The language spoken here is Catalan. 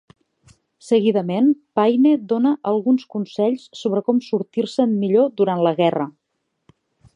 Seguidament Paine dona alguns consells sobre com sortir-se'n millor durant la guerra.